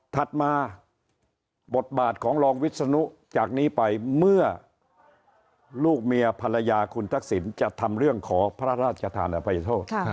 ถัดมาบทบาทของรองวิศนุจากนี้ไปเมื่อลูกเมียภรรยาคุณทักษิณจะทำเรื่องขอพระราชทานอภัยโทษ